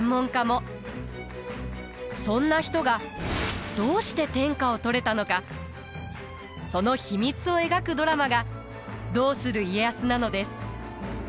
そんな人がどうして天下を取れたのかその秘密を描くドラマが「どうする家康」なのです。